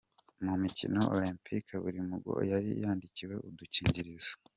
Mu mikino olempike buri mugabo yari yandikiwe udukingirizo .